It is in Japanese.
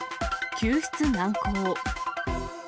救出難航。